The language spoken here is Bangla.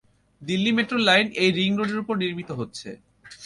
দিল্লি মেট্রোর লাইন এই রিং রোডের উপর নির্মিত হচ্ছে।